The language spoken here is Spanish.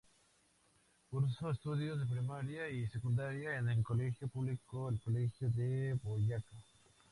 Cursó estudios de primaria y secundaria en un colegio público, el Colegio de Boyacá.